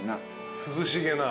涼しげな？